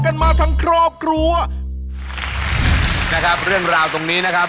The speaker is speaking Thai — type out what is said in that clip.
นะครับเรื่องราวตรงนี้นะครับ